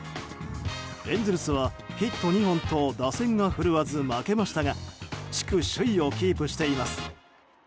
エンゼルスはヒット２本と打線が振るわず、負けましたが地区首位をキープしています。